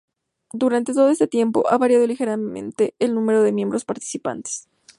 Durante todo este tiempo, ha variado ligeramente el número de miembros participantes.